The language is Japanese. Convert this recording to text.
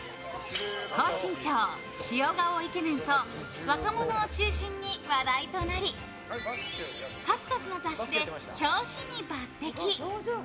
高身長、塩顔イケメンと若者を中心に話題となり数々の雑誌で表紙に抜擢。